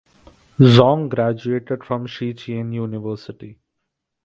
Zhong graduated from Shih Chien University.